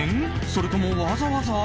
それともわざわざ？